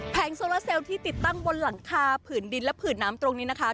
โซลาเซลที่ติดตั้งบนหลังคาผื่นดินและผื่นน้ำตรงนี้นะคะ